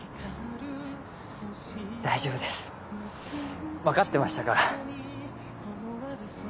大丈夫です分かってましたから。